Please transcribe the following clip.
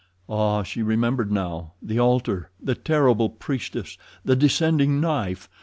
Ah, she remembered now. The altar, the terrible priestess, the descending knife.